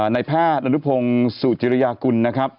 ในแพทย์อนุพงศ์สุจิริยากุลนะครับ